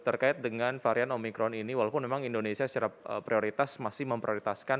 terkait dengan varian omikron ini walaupun memang indonesia secara prioritas masih memprioritaskan